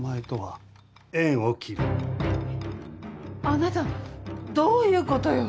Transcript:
あなたどういう事よ？